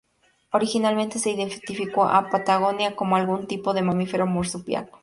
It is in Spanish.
Originalmente, se identificó a "Patagonia" como algún tipo de mamífero marsupial.